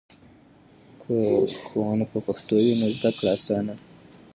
که ښوونه په پښتو وي نو زده کړه اسانه ده.